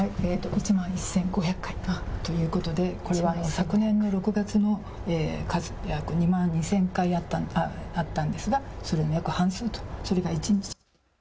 １万１５００回ということで昨年の６月２万２０００回あったんですがそれの約半数と。